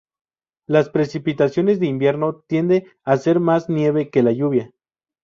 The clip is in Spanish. Las precipitaciones de invierno tiende a ser más nieve que la lluvia.